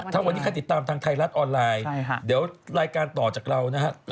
ถ้าวันนี้ใครติดตามทางไทยรัฐออนไลน์เดี๋ยวรายการต่อจากเรานะฮะ